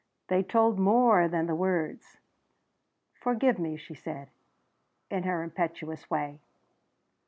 They told more than the words. "Forgive me," she said in her impetuous way.